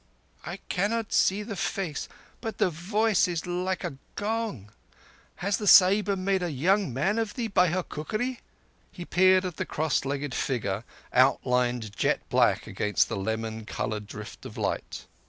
"I cannot see the face, but the voice is like a gong. Has the Sahiba made a young man of thee by her cookery?" He peered at the cross legged figure, outlined jet black against the lemon coloured drift of light.